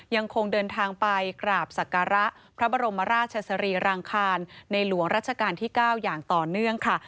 ยังคงเดินทางไปกราบศักระพระบรมราชสรีรางคารในหลวงราชการที่๙อย่างต่อเนื่องค่ะ